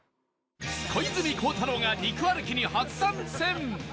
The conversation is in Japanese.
小泉孝太郎が肉歩きに初参戦！